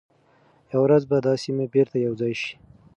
یوه ورځ به دا سیمي بیرته یو ځای شي.